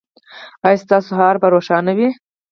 ایا ستاسو سهار به روښانه وي؟